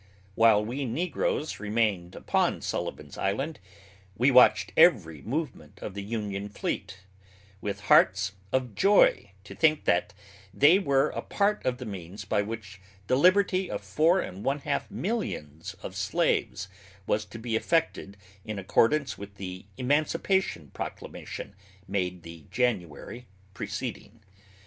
While we negroes remained upon Sullivan's Island, we watched every movement of the Union fleet, with hearts of joy to think that they were a part of the means by which the liberty of four and one half millions of slaves was to be effected in accordance with the emancipation proclamation made the January preceding.